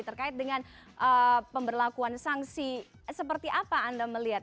terkait dengan pemberlakuan sanksi seperti apa anda melihat